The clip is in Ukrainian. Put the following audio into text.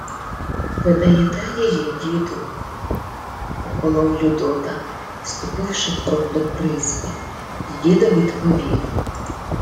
— Видаєте її, діду? — похолов Людота, ступивши крок до присьпи, й дідо відповів: